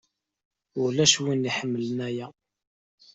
Ulac win iḥemmlen aya.